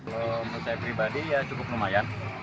kalau menurut saya pribadi ya cukup lumayan